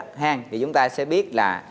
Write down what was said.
thì chúng ta sẽ biết là